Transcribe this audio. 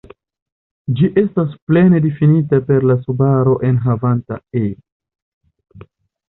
Ĝi estas plene difinita per la subaro enhavanta "e".